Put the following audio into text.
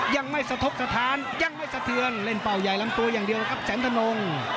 ยังไม่สะทกสถานยังไม่สะเทือนเล่นเป่าใหญ่ลำตัวอย่างเดียวครับแสนทนง